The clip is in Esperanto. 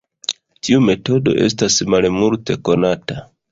Tiu metodo estas malmulte konata.